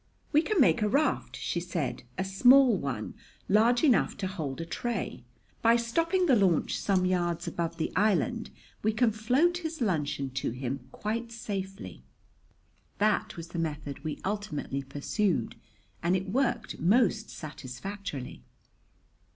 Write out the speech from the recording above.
"We can make a raft," she said, "a small one, large enough to hold a tray. By stopping the launch some yards above the island we can float his luncheon to him quite safely." That was the method we ultimately pursued and it worked most satisfactorily.